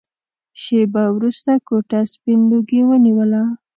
شېبه وروسته کوټه سپين لوګي ونيوله.